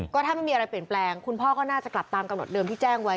ก็ถ้าไม่มีอะไรเปลี่ยนแปลงคุณพ่อก็น่าจะกลับตามกำหนดเดิมที่แจ้งไว้